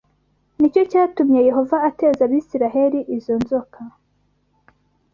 Ni cyo cyatumye Yehova ateza Abisirayeli izo nzoka